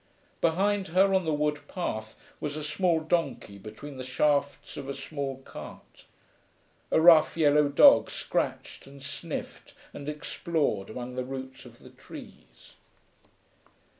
Behind her, on the wood path, was a small donkey between the shafts of a small cart. A rough yellow dog scratched and sniffed and explored among the roots of the trees.